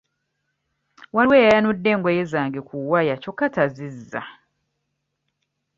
Waliwo eyayanudde engoye zange ku waya kyokka tazizza.